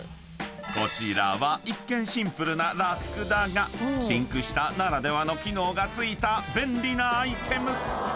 ［こちらは一見シンプルなラックだがシンク下ならではの機能が付いた便利なアイテム］